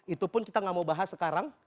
itu pun kita nggak mau bahas sekarang